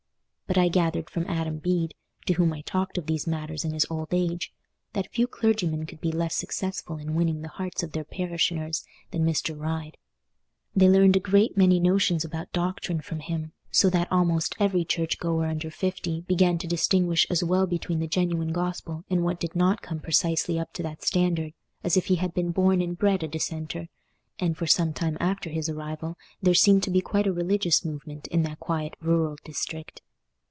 But I gathered from Adam Bede, to whom I talked of these matters in his old age, that few clergymen could be less successful in winning the hearts of their parishioners than Mr. Ryde. They learned a great many notions about doctrine from him, so that almost every church goer under fifty began to distinguish as well between the genuine gospel and what did not come precisely up to that standard, as if he had been born and bred a Dissenter; and for some time after his arrival there seemed to be quite a religious movement in that quiet rural district.